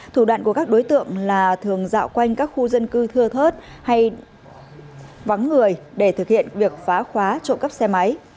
thủ đoạn của các đối tượng là thường dạo quanh các khu dân cư thưa thớt hay vắng người để thực hiện việc phá khóa trộm cắp xe máy